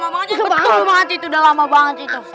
betul betul udah lama banget itu